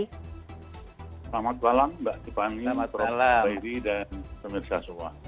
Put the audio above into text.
selamat malam mbak tufani prof zubairi dan pemirsa soehwa